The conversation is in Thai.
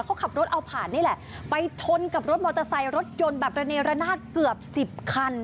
เขาขับรถเอาผ่านนี่แหละไปชนกับรถมอเตอร์ไซค์รถยนต์แบบระเนรนาศเกือบสิบคัน